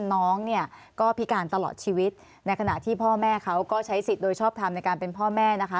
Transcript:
น้องเนี่ยก็พิการตลอดชีวิตในขณะที่พ่อแม่เขาก็ใช้สิทธิ์โดยชอบทำในการเป็นพ่อแม่นะคะ